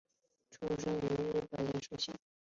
出身于日本岩手县。